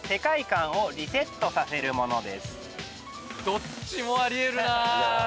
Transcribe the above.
どっちもあり得るな。